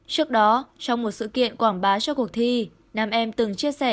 trước đó trong một sự kiện quảng bá cho cuộc thi nam em từng chia sẻ